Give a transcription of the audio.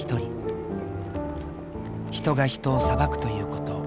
人が人を裁くということ。